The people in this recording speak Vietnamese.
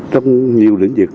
trong nhiều lĩnh vực